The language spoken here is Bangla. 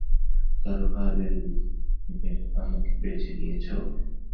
কার্ভারের বিকল্প হিসেবে আমাকে বেছে নিয়েছো?